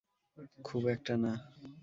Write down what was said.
খুব একটা না।